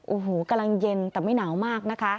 โอ้โหกำลังเย็นแต่ไม่หนาวมากนะคะ